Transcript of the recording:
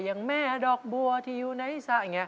อย่างแม่ดอกบัวที่อยู่ไหนซะ